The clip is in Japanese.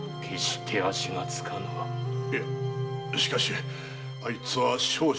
いえしかしあいつは少々。